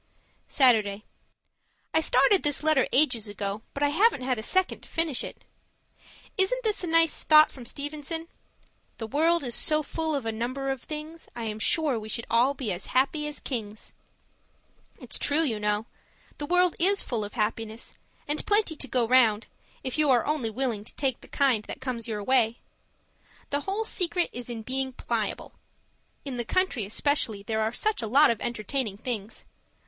Saturday I started this letter ages ago, but I haven't had a second to finish it. Isn't this a nice thought from Stevenson? The world is so full of a number of things, I am sure we should all be as happy as kings. It's true, you know. The world is full of happiness, and plenty to go round, if you are only willing to take the kind that comes your way. The whole secret is in being PLIABLE. In the country, especially, there are such a lot of entertaining things.